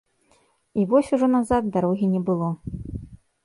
І вось ужо назад дарогі не было.